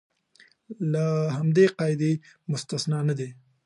له همدې قاعدې مستثنی نه دي.